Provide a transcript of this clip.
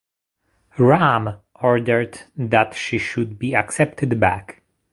Ram ordered that she should be accepted back.